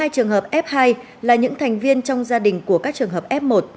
hai trường hợp f hai là những thành viên trong gia đình của các trường hợp f một